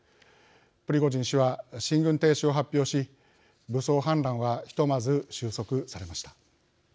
プリゴジン氏は進軍停止を発表し武装反乱はひとまず収束されました。